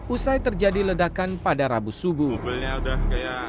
usai terjadi ledakan pada rabu subuh